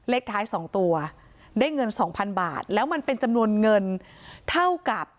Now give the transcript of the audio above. เลขท้าย๒ตัวได้เงินสองพันบาทแล้วมันเป็นจำนวนเงินเท่ากับ